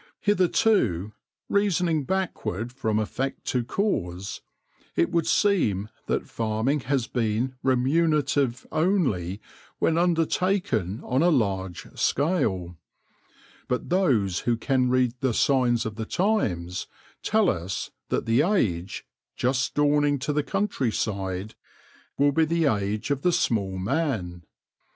Hitherto, reasoning backward from effect to cause, it would seem that farming has been remunerative only when undertaken on a large scale ; but those who can read the signs of the times tell us that the age, just dawning to the country side, will be the age of the small man.